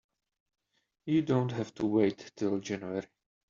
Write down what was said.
You don't have to wait till January.